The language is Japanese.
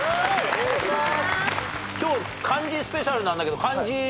お願いします！